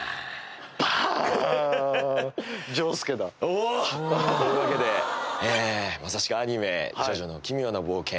おっというわけでまさしくアニメ「ジョジョの奇妙な冒険」